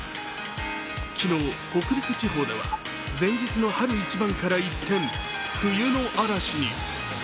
昨日、北陸地方では前日の春一番から一転、冬の嵐に。